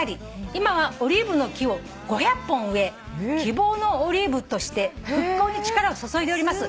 今はオリーブの木を５００本植え希望のオリーブとして復興に力を注いでおります」